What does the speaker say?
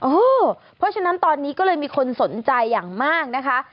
เพราะฉะนั้นตอนนี้ก็เลยมีคนสนใจอย่างมากนะคะ